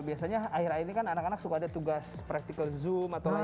biasanya akhir akhir ini kan anak anak suka ada tugas practical zoom atau lain lain